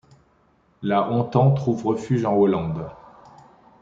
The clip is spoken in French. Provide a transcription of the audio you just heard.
La Hontan trouve refuge en Hollande.